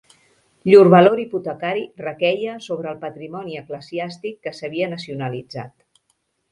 Llur valor hipotecari requeia sobre el patrimoni eclesiàstic que s'havia nacionalitzat.